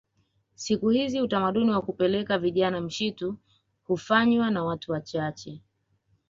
Siku hizi utamaduni wa kupeleka vijana mshitu hufanywa na watu wachache